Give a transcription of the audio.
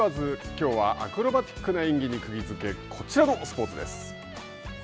きょうはアクロバティックな演技にくぎづけ、こちらのスポーツです。